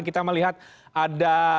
kita melihat ada